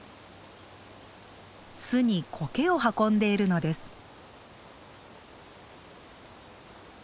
巣にコケを運んでいるのです。